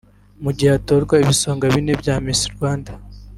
Mu gihe hatorwaga ibisonga bine bya Miss Rwanda